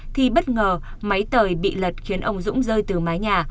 thì bất ngờ máy tời bị lật khiến ông dũng rơi từ mái nhà